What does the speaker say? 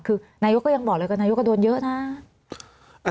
คือนายกก็ยังบอกเลยกับนายกก็โดนเยอะนะ